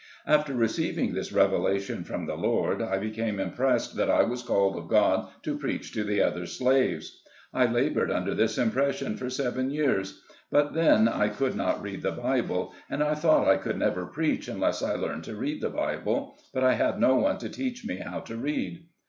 After receiving this revelation from the Lord, I EARLY LIFE. 11 became impressed that I was called of God to preach to the other slaves. I labored under this impression for seven years, but then I could not read the Bible, and I thought I could never preach unless I learned to read the Bible, but I had no one to teach me how to read.